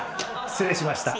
失礼しました。